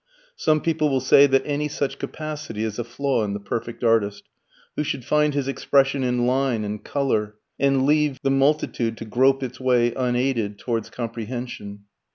Some people will say that any such capacity is a flaw in the perfect artist, who should find his expression in line and colour, and leave the multitude to grope its way unaided towards comprehension.